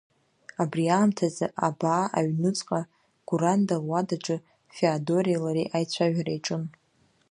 Абри аамҭазы абаа аҩнуҵҟа Гәыранда луадаҿы Феодореи лареи аицәажәара иаҿын.